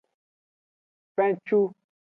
Fencu.